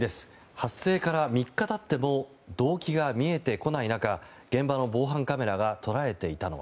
発生から３日経っても動機が見えてこない中現場の防犯カメラが捉えていたのは。